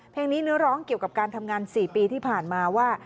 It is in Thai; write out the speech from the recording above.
เพลงนี้เนื้อร้องเกี่ยวกับการทำงาน๔ปีที่ผ่านมาว่า